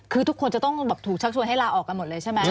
คือทุกคนจะต้องแบบถูกชักชวนให้ลาออกกันหมดเลยใช่ไหม